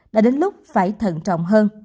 đã đến lúc phải thận trọng